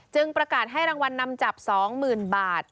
ประกาศให้รางวัลนำจับ๒๐๐๐บาท